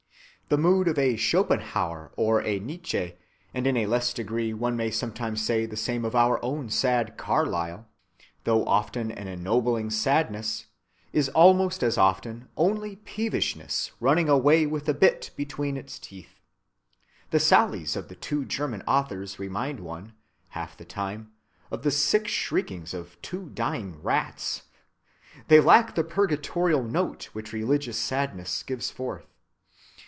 The mood of a Schopenhauer or a Nietzsche,—and in a less degree one may sometimes say the same of our own sad Carlyle,—though often an ennobling sadness, is almost as often only peevishness running away with the bit between its teeth. The sallies of the two German authors remind one, half the time, of the sick shriekings of two dying rats. They lack the purgatorial note which religious sadness gives forth.